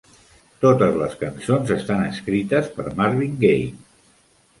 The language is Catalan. Totes les cançons estan escrites per Marvin Gaye.